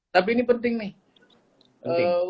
tapi ini penting nih